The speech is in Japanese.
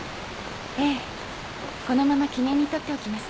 ええこのまま記念に取っておきます。